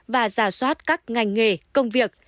và giả soát các ngành nghề công việc